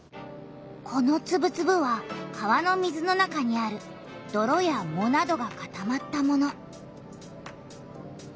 このつぶつぶは川の水の中にあるどろやもなどがかたまったもの。